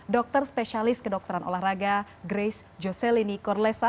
dokter spesialis kedokteran olahraga grace jocelyn ikorlesa